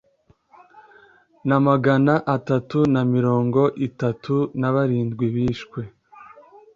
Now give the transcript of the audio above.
na magana atatu na mirongo itatu na barindwi bishwe